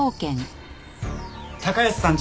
高安さん